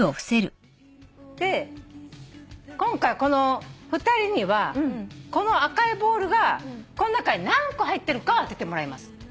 で今回２人にはこの赤いボールがこの中に何個入ってるかを当ててもらいます。